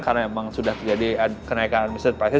karena memang sudah jadi kenaikan administrasi